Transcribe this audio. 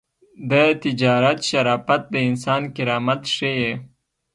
د تجارت شرافت د انسان کرامت ښيي.